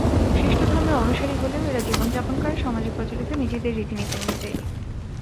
খ্রিষ্টধর্মের অনুসারী হলেও এরা জীবনযাপন করে সমাজে প্রচলিত নিজেদের রীতিনীতি অনুযায়ী।